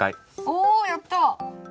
おやった！